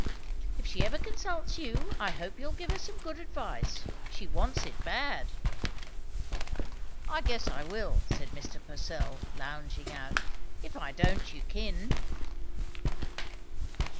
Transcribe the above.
"If she ever consults you, I hope you'll give her some good advice. She wants it bad!" "I guess I will," said Mr. Purcell, lounging out. "If I don't, you kin."